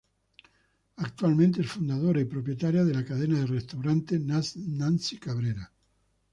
Actualmente es fundadora y propietaria de la cadena de restaurantes Nancy Cabrera.